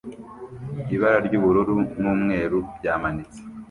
Ibara ry'ubururu n'umweru byamanitse